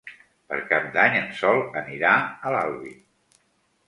Per Cap d'Any en Sol anirà a l'Albi.